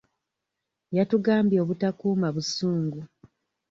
Yatugambye obutakuuma busungu.